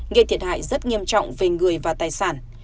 gây thiệt hại rất nghiêm trọng về người và tài sản